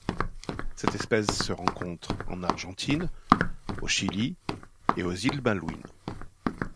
Cette espèce se rencontre en Argentine, au Chili et aux îles Malouines.